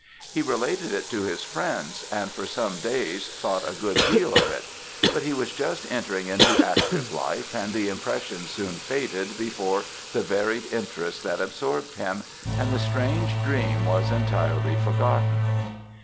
He related it to his friends; and, for some days, thought a good deal of it; but he was just entering into active life, and the impression soon faded before the varied interests that absorbed him; and the strange dream was entirely forgotten.